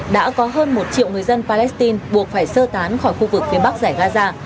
đã có hơn một triệu người dân palestine buộc phải sơ tán khỏi khu vực phía bắc giải gaza